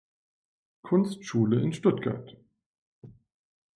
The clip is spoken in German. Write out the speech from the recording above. Kunstschule in Stuttgart.